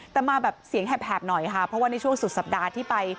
แต่มาแบบเสียงแหบหน่อยค่ะเพราะว่าในช่วงสุดสัปดาห์ที่ไป